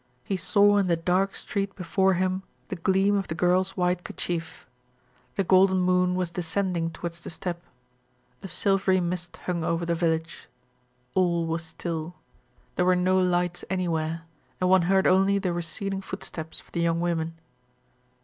He saw in the dark street before him the gleam of the girl's white kerchief. The golden moon was descending towards the steppe. A silvery mist hung over the village. All was still; there were no lights anywhere and one heard only the receding footsteps of the young women.